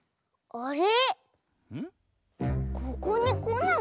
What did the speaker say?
あれ？